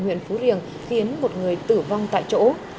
huyện phú riềng khiến một người tử vong tại chỗ